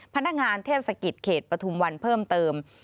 พนักงานเทศกิจเขตปฐุมวันเพิ่มเติม